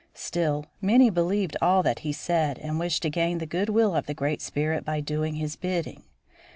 Still, many believed all that he said, and wished to gain the good will of the Great Spirit by doing his bidding.